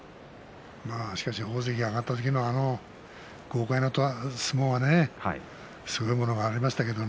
しかし大関に上がった時の、あの豪快な相撲はすごいものがありましたけれど。